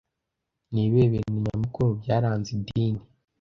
Ni ibihe bintu nyamukuru byaranze idini